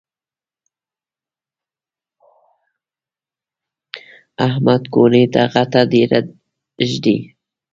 احمد کونې ته غټه ډبره ږدي.